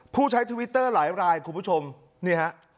ผู้ใช้ทวิตเตอร์หลายรายคุณผู้ชมนี่ฮะ